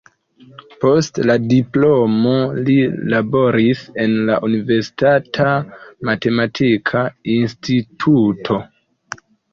Post la diplomo li laboris en la universitata matematika instituto.